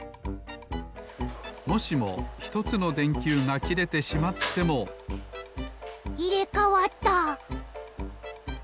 もしも１つのでんきゅうがきれてしまってもいれかわった！